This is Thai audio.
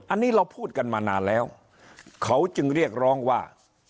อันนี้เราพูดกันมานานแล้วเขาจึงเรียกร้องว่า